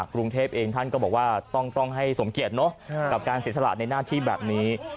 กรุงเทพเองท่านก็บอกว่าต้องให้สมเกียจเนอะกับการเสียสละในหน้าที่แบบนี้